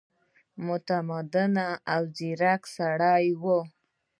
متمدن او ځیرک سړی وو.